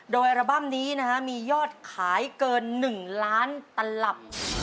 โดยอัลบั้มนี้นะฮะมียอดขายเกิน๑ล้านตลับ